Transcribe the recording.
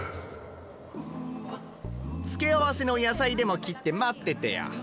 付け合わせの野菜でも切って待っててよ。